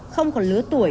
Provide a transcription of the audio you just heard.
không có lứa tuổi